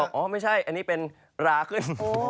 อ๋อไม่ใช่อันนี้เป็นราขึ้น